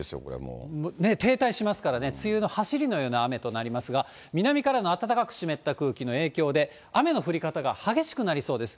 停滞しますからね、梅雨のはしりのような雨となりますが、南からの暖かく湿った空気の影響で、雨の降り方が激しくなりそうです。